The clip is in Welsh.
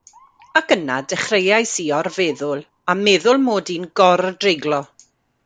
Ac yna dechreuais i or-feddwl a meddwl mod i'n gor-dreiglo!